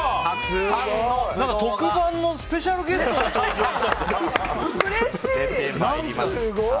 特番のスペシャルゲストが登場したみたいな。